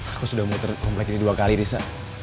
aku sudah muter komplek ini dua kali risa